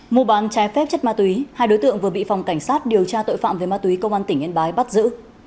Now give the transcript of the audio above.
mùa bán trái phép chất ma túy hai đối tượng vừa bị phòng cảnh sát điều tra tội phạm về ma túy công an tỉnh yên bái bắt giữ